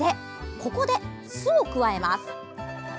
ここで、酢を加えます。